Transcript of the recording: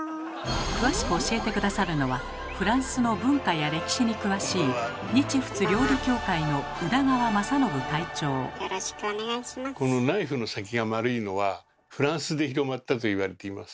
詳しく教えて下さるのはフランスの文化や歴史に詳しいこのナイフの先が丸いのはフランスで広まったと言われています。